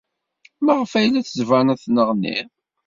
Maɣef ay la d-tettbaned tenneɣnid?